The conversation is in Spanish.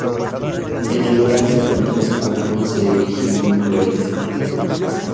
En el lugar se encontró su cuerpo se erigió un obelisco.